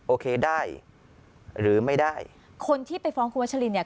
โอเคได้หรือไม่ได้คนที่ไปฟ้องคุณวัชลินเนี่ย